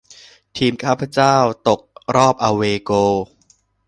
ทีมข้าพเจ้าตกรอบอะเวย์โกล